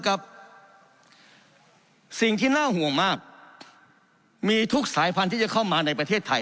สิ่งที่น่าห่วงมากมีทุกสายพันธุ์ที่จะเข้ามาในประเทศไทย